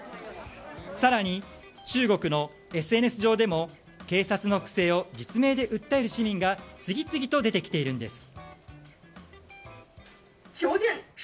更に中国のＳＮＳ上でも警察の不正を実名で訴える市民が次々と出てきているんです。